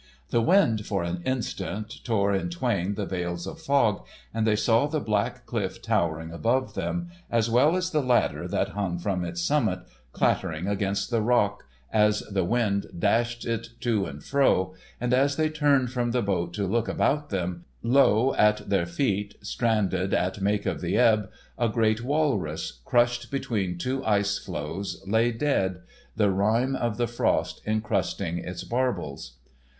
The wind for an instant tore in twain the veils of fog, and they saw the black cliff towering above them, as well as the ladder that hung from its summit clattering against the rock as the wind dashed it to and fro, and as they turned from the boat to look about them, lo, at their feet, stranded at make of the ebb, a great walrus, crushed between two ice floes, lay dead, the rime of the frost encrusting its barbels.